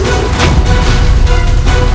aku akan menangkapmu